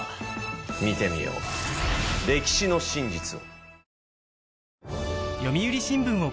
見てみよう歴史の真実を。